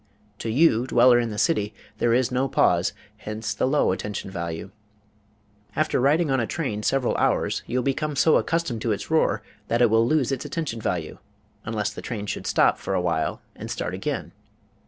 To you, dweller in the city, there is no pause; hence the low attention value. After riding on a train several hours you will become so accustomed to its roar that it will lose its attention value, unless the train should stop for a while and start again.